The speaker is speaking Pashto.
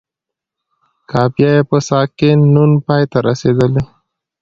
قافیه یې په ساکن نون پای ته رسیدلې.